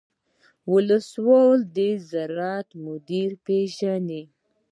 د ولسوالۍ د زراعت مدیر پیژنئ؟